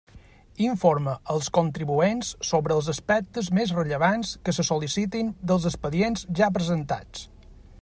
Informa els contribuents sobre els aspectes més rellevants que se sol·licitin dels expedients ja presentats.